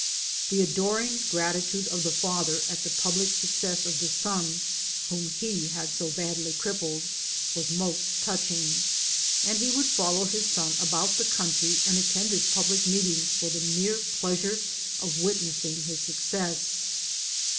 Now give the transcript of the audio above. The adoring; gratitude of the father at the public success of the son whom he had so badly crippled was most touching, and he would follow his son about the country and attend his public meetings for the mere pleasure of witnessing his success.